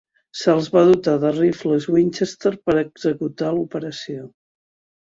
Se'ls va dotar de rifles Winchester per executar l'operació.